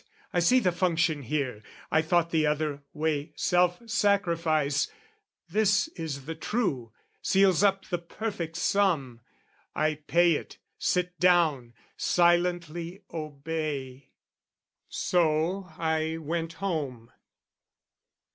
I see the function here; "I thought the other way self sacrifice: "This is the true, seals up the perfect sum. "I pay it, sit down, silently obey." So, I went home.